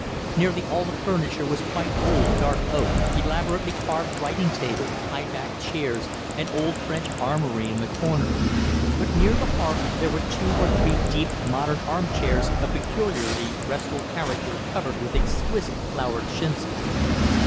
Nearly all the furniture was quite old, dark oak, elaborately carved writing table, high backed chairs, an old French "armoury" in the corner; but near the hearth there were two or three deep, modern armchairs of peculiarly restful character, covered with exquisite flowered chintzes.